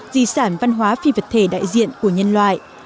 di sản văn hóa phi vật thể đại diện của nhân loại